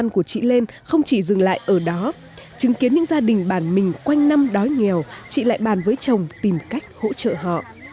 khiến những gia đình bàn mình quanh năm đói nghèo chị lại bàn với chồng tìm cách hỗ trợ họ